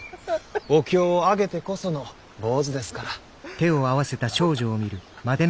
お経をあげてこその坊主ですから。